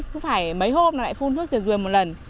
cứ phải mấy hôm nó lại phun nước rùi một lần